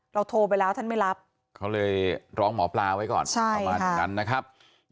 โทรไปแล้วท่านไม่รับเขาเลยร้องหมอปลาไว้ก่อนประมาณอย่างนั้นนะครับ